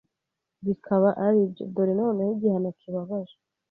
Bikaba aribyo Dore noneho igihano kibabaje